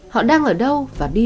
họ đang ở đâu và đối xử gì